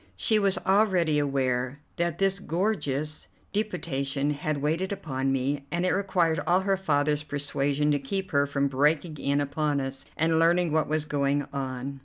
She was already aware that this gorgeous deputation had waited upon me, and it required all her father's persuasion to keep her from breaking in upon us and learning what was going on.